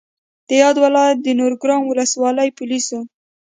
د یاد ولایت د نورګرام ولسوالۍ پولیسو